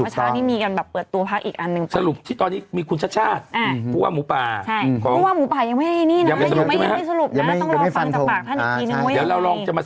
วัตชานี่มีกันแบบเปิดตัวภักดิ์อีกอันนึง